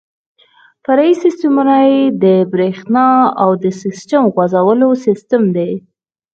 فرعي سیسټمونه یې د بریښنا او سیسټم غځولو سیستم دی.